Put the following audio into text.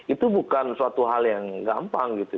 itu bukan suatu hal yang gampang gitu